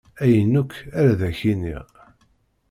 Ayen akk, ar ad ak-iniɣ.